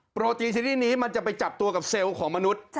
โปรตีนชนิดนี้มันจะไปจับตัวกับเซลล์ของมนุษย์